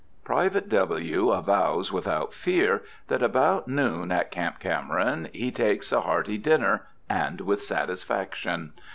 Private W. avows without fear that about noon, at Camp Cameron, he takes a hearty dinner, and with satisfaction.